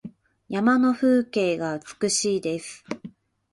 山の風景が美しいです。